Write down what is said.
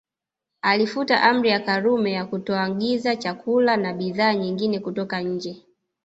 Alifuta Amri ya Karume ya kutoagiza chakula na bidhaa nyingine kutoka nje